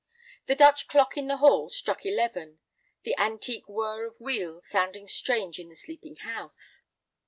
The Dutch clock in the hall struck eleven, the antique whir of wheels sounding strange in the sleeping house.